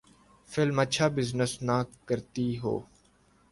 Film اچھا business نہ کرتی ہو۔